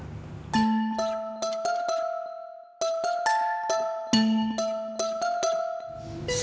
jangan lupa subscribe channel ini ya